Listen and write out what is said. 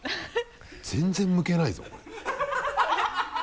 全然剥けないぞこれ。